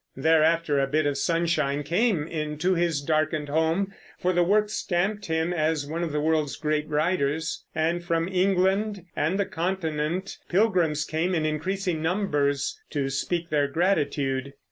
Thereafter a bit of sunshine came into his darkened home, for the work stamped him as one of the world's great writers, and from England and the Continent pilgrims came in increasing numbers to speak their gratitude.